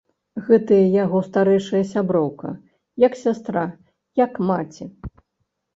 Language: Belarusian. Гэтая яго старэйшая сяброўка, як сястра, як маці!